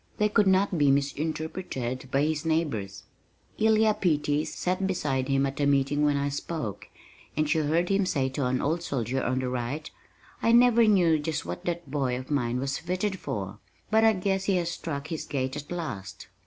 They could not be misinterpreted by his neighbors. Elia Peattie sat beside him at a meeting when I spoke, and she heard him say to an old soldier on the right, "I never knew just what that boy of mine was fitted for, but I guess he has struck his gait at last."